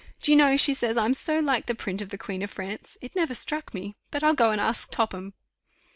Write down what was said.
Do you know she says I'm so like the print of the Queen of France. It never struck me; but I'll go and ask Topham."